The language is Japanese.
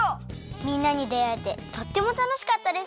みんなにであえてとってもたのしかったです！